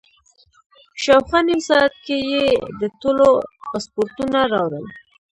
شاوخوا نیم ساعت کې یې د ټولو پاسپورټونه راوړل.